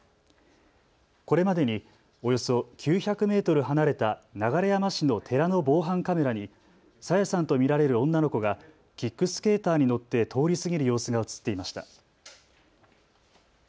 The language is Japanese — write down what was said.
これまでにおよそ９００メートル離れた流山市の寺の防犯カメラに朝芽さんと見られる女の子がキックスケーターに乗って通り過ぎる様子が写っていました。